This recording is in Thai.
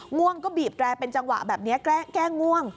ง่วงก็บีบแร่เป็นจังหวะแบบนี้แก้ง่วง